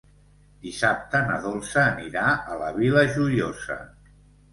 Dissabte na Dolça anirà a la Vila Joiosa.